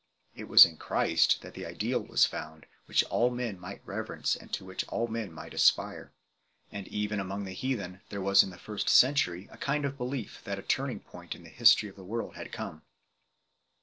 It was in Christ that the ideal was found which all men might reverence and to which all men might aspire. And even among the heathen there was in the first century a kind of belief that a turning point in the history of the world had come.